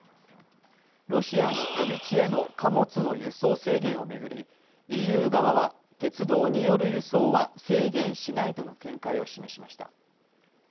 ロシアの飛び地への貨物の輸送制限を巡りＥＵ側は鉄道による輸送は制限しないとの見解を示しました。